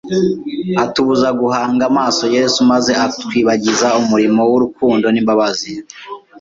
atubuze guhanga amaso Yesu maze atwibagize umurimo w’urukundo n’imbabazi